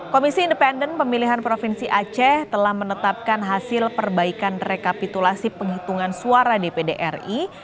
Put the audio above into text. komisi independen pemilihan provinsi aceh telah menetapkan hasil perbaikan rekapitulasi penghitungan suara dpd ri